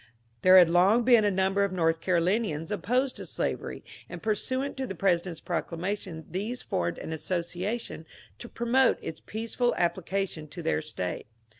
There had long been a number of North Carolinians opposed to slavery, and pursuant to the President's prodar mation these formed an association to promote its peaceful ap plication to their State.